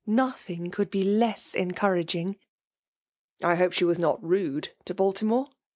Nothing could be less encouraging." " I hope she was not rude to Baltimore